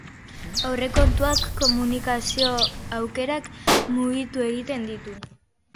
Aurrekontuak komunikazio-aukerak mugatu egiten ditu.